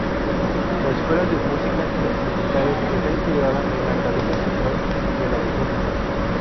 La Escuela de Músicas Militares está integrada en la Academia Central de la Defensa.